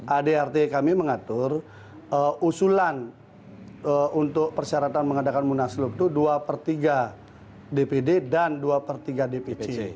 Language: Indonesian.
adrt kami mengatur usulan untuk persyaratan mengadakan munaslup itu dua per tiga dpd dan dua per tiga dpc